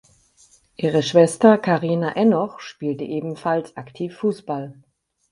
Ihre Schwester Carina Enoch spielt ebenfalls aktiv Fußball.